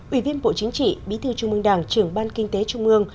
ubnd bí thư trung mương đảng trường ban kinh tế trung mương